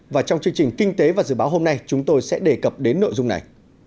và trong chương trình kinh tế và dự báo hôm nay chúng tôi sẽ đề cập đến nội dung này